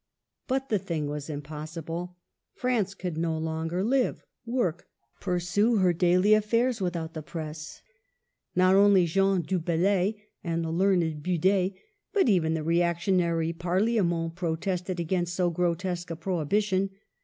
But the thing was impossible ; France could no longer live, work, pursue her daily affairs, without the Press. Not only Jean du Bellay and the learned Bude, but even the reactionary Parliament pro tested against so grotesque a prohibition.